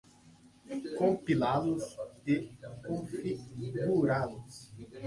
compilá-los e configurá-los